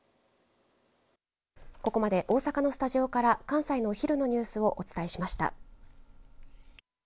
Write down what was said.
ここまで大阪のスタジオから関西のお昼のニュースをお伝えしました。